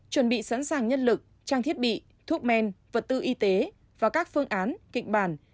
chuẩn bị sẵn sàng nhân lực trang thiết bị thuốc men vật tư y tế và các phương án kịch bản